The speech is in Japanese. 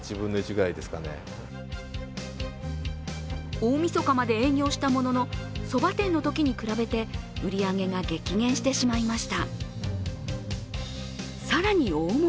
大みそかまで営業したもののそば店のときと比べて売り上げが激減してしまいました。